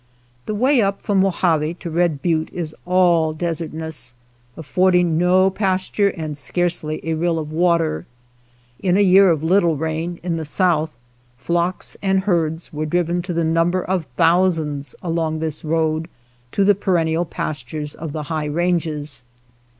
The way up from Mojave to Red Butte is all desertness, affording no pasture and scarcely a rill of water. In a year of little rain in the south, flocks and herds were driven to the number of thou sands along this road to the perennial pas tures of the high ranges.